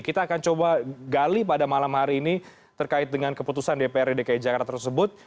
kita akan coba gali pada malam hari ini terkait dengan keputusan dprd dki jakarta tersebut